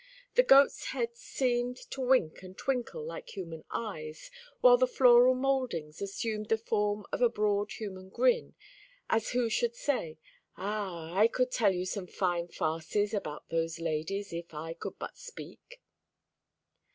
The goats' heads seemed to wink and twinkle like human eyes, while the floral mouldings assumed the form of a broad human grin, as who should say, "Ah, I could tell you some fine farces about those ladies, if I could but speak!"